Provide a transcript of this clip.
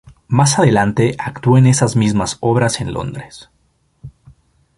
Más adelante actuó en esas mismas obras en Londres.